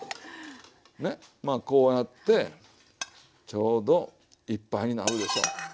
まあこうやってちょうどいっぱいになるでしょ。